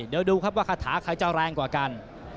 เดี๋ยวดูครับว่าคาถาใครจะแรงกว่ากัน